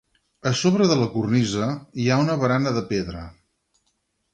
A sobre de la cornisa hi ha una barana de pedra.